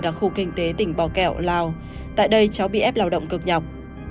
đặc khu kinh tế tỉnh bò kẹo lào tại đây cháu bị ép lao động cực nhọc